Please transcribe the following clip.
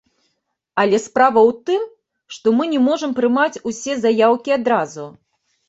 Але справа ў тым, што мы не можам прымаць усе заяўкі адразу.